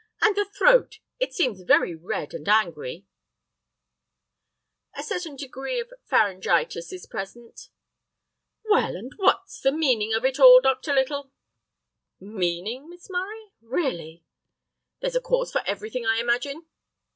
"And the throat? It seems very red and angry—" "A certain degree of pharyngitis is present." "Well, and what's the meaning of it all, Dr. Little?" "Meaning, Miss Murray? Really—" "There's a cause for everything, I imagine."